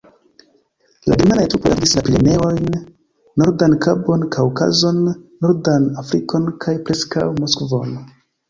La germanaj trupoj atingis la Pireneojn, Nordan Kabon, Kaŭkazon, Nordan Afrikon kaj preskaŭ Moskvon.